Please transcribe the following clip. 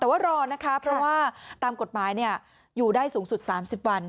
แต่ว่ารอนะคะเพราะว่าตามกฎหมายอยู่ได้สูงสุด๓๐วัน